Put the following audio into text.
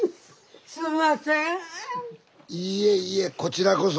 いいえいいえこちらこそ。